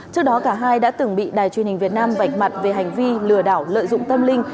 trước đó cả hai đã từng bị đài truyền hình việt nam vạch mặt về hành vi lừa đảo lợi dụng tâm linh